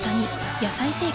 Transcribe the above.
「野菜生活」